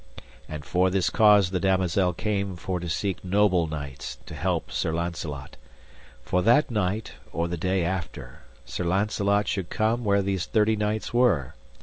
And for this cause the damosel came for to seek noble knights to help Sir Launcelot. For that night, or the day after, Sir Launcelot should come where these thirty knights were.